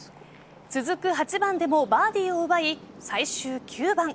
続く８番でもバーディーを奪い最終９番。